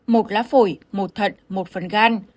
một lá phổi một thận một phần gan